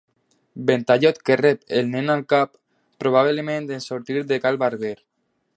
Ventallot que rep el nen al cap, probablement en sortir de cal barber.